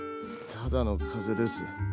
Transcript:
ただのかぜです。